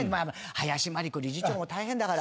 林真理子理事長も大変だから。